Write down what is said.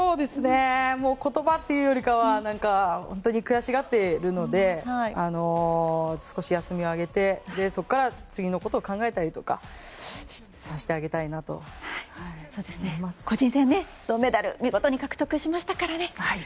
言葉というよりかは本当に悔しがっているので少し休みを上げてそこから次のことを考えたりとか個人戦で銅メダル見事に獲得しましたからね。